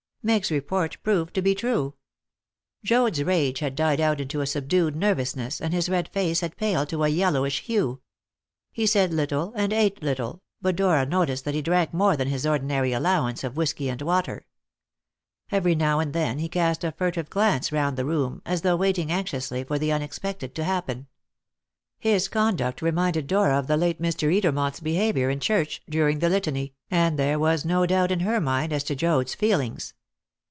Meg's report proved to be true. Joad's rage had died out into a subdued nervousness, and his red face had paled to a yellowish hue. He said little and ate little, but Dora noticed that he drank more than his ordinary allowance of whisky and water. Every now and then he cast a furtive glance round the room, as though waiting anxiously for the unexpected to happen. His conduct reminded Dora of the late Mr. Edermont's behaviour in church during the Litany, and there was no doubt in her mind as to Joad's feelings.